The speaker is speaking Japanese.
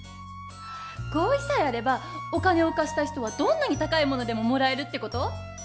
合意さえあればお金を貸した人はどんなに高いものでももらえるってこと？